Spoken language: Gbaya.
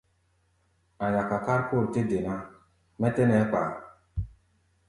A̧ yaka kárkór tɛ́ de ná, mɛ́ tɛ́ nɛɛ́ kpa a.